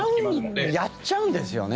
やっちゃうんですよね。